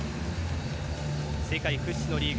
世界屈指のリーグ